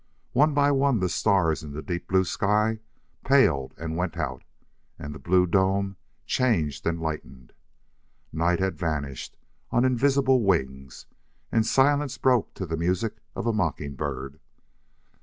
One by one the stars in the deep blue sky paled and went out and the blue dome changed and lightened. Night had vanished on invisible wings and silence broke to the music of a mockingbird.